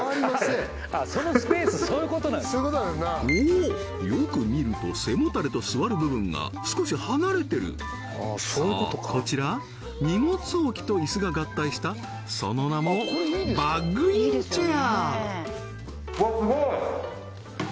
おっよく見ると背もたれと座る部分が少し離れてるそうこちら荷物置きとイスが合体したその名もバッグインチェア